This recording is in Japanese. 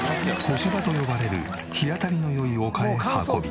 干場と呼ばれる日当たりの良い丘へ運び。